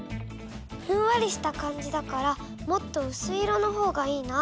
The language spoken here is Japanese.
ふんわりした感じだからもっとうすい色のほうがいいな。